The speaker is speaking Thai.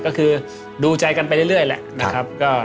ก็คือดูใจกันไปเรื่อยแหละ